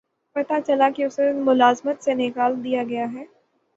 پتہ چلا کہ اسے ملازمت سے نکال دیا گیا ہے